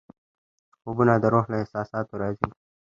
خوبونه د روح له احساساتو راځي.